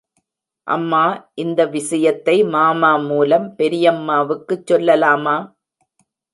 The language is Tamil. அம்மா, இந்த விசயத்தை மாமா மூலம் பெரியம்மாவுக்குச் சொல்லலாமா?